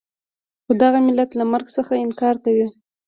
خو دغه ملت له مرګ څخه انکار کوي.